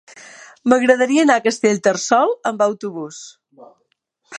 M'agradaria anar a Castellterçol amb autobús.